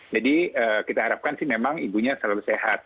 jadi kita harapkan sih memang ibunya selalu sehat